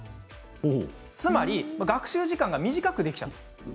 つまり学習時間が短くできた。